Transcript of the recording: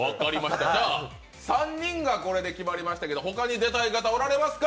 じゃあ３人がこれで決まりましたけど、他に出たい方いますか？